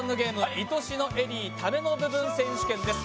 「いとしのエリータメの部分選手権」です。